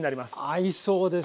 合いそうですね。